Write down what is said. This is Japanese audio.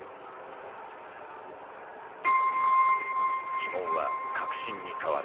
疑問は確信に変わる。